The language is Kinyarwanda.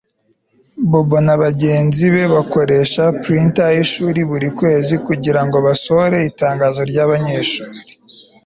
Bobo na bagenzi be bakoresha printer yishuri buri kwezi kugirango basohore itangazo ryabanyeshuri